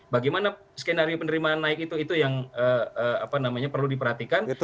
bagaimana skenario penderimaan naik itu yang perlu diperhatikan